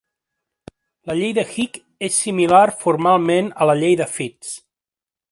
La llei de Hick és similar formalment a la llei de Fitts.